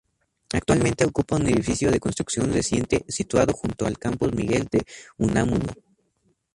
Actualmente ocupa un edificio de construcción reciente, situado junto al campus Miguel de Unamuno.